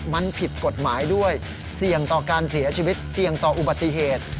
มันผิดกฎหมายด้วยเสี่ยงต่อการเสียชีวิตเสี่ยงต่ออุบัติเหตุ